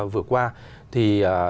vừa qua thì